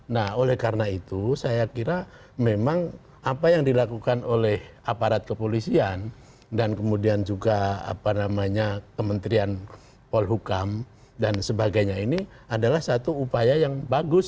nah oleh karena itu saya kira memang apa yang dilakukan oleh aparat kepolisian dan kemudian juga apa namanya kementerian polhukam dan sebagainya ini adalah satu upaya yang bagus